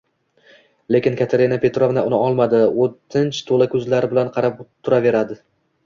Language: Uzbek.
Lekin Katerina Petrovna uni olmadi, oʻtinch toʻla koʻzlari bilan qarab turaverdi.